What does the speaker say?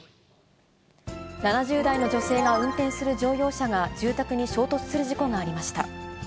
７０代の女性が運転する乗用車が住宅に衝突する事故がありました。